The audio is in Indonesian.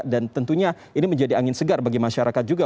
dan tentunya ini menjadi angin segar bagi masyarakat juga